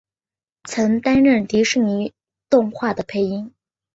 曾经担任迪士尼动画的配音。